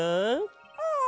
うん。